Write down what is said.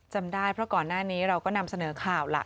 จำได้เพราะก่อนหน้านี้เราก็นำเสนอข่าวล่ะ